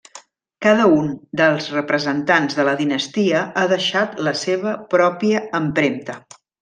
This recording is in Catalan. Cada un dels representants de la dinastia ha deixat la seva pròpia empremta.